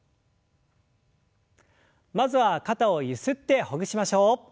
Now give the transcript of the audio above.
まずは肩をゆすってほぐしましょう。